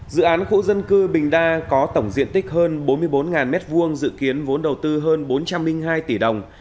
dự án khu dân cư bình đa có tổng diện tích hơn bốn mươi bốn m hai dự kiến vốn đầu tư hơn bốn trăm linh hai tỷ đồng